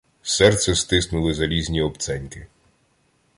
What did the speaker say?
Серце стиснули залізні обценьки.